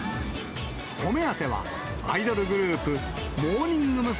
お目当ては、アイドルグループ、モーニング娘。